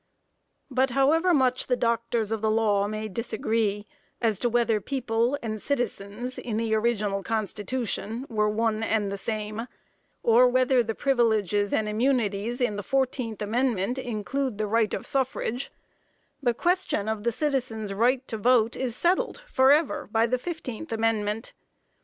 But, however much the doctors of the law may disagree, as to whether people and citizens, in the original constitution, were one and the same, or whether the privileges and immunities in the fourteenth amendment include the right of suffrage, the question of the citizen's right to vote is settled forever by the fifteenth amendment.